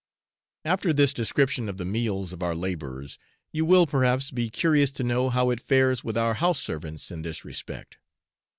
After this description of the meals of our labourers, you will, perhaps, be curious to know how it fares with our house servants in this respect.